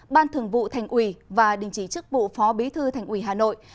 ban thường vụ thành ủy và đình chỉ chức vụ phó bí thư thành ủy hà nội